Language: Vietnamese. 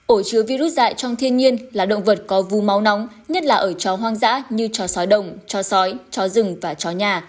ổ chứa virus dại trong thiên nhiên là động vật có vu máu nóng nhất là ở chó hoang dã như chó sói đồng chó sói chó rừng và chó nhà